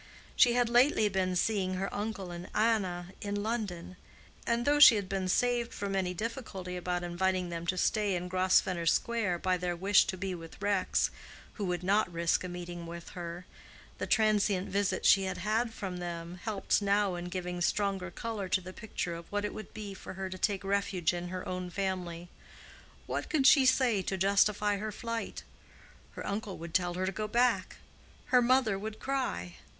She had lately been seeing her uncle and Anna in London, and though she had been saved from any difficulty about inviting them to stay in Grosvenor Square by their wish to be with Rex, who would not risk a meeting with her, the transient visit she had had from them helped now in giving stronger color to the picture of what it would be for her to take refuge in her own family. What could she say to justify her flight? Her uncle would tell her to go back. Her mother would cry.